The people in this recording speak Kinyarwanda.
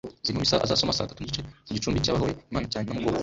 zirimo Misa azasoma saa tatu n’igice ku gicumbi cy’abahowe imana cya Namugogo